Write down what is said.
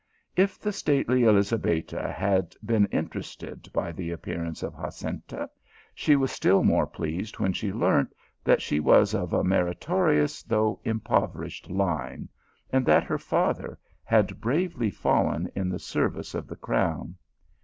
If the stately Elizabetta had been interested by the ap pearance of Jacinta, she was still more pleased when she learnt that she was of a meritorious, though im poverished line, and that her father had bravely fallen in the service of the crown.